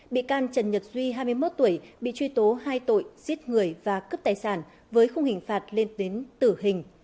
bị can trần nhật duy hai mươi một tuổi bị truy tố hai tội giết người và cướp tài sản với khung hình phạt lên đến tử hình